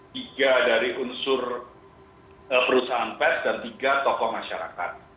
tiga dari unsur perusahaan pes dan tiga tokoh masyarakat